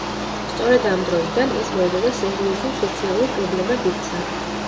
სწორედ ამ დროიდან, ეს მოვლენა სერიოზულ სოციალურ პრობლემად იქცა.